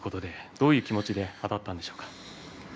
どういう気持ちであたったんですか？